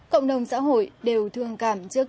cộng đồng xã hội đều thương cảm trước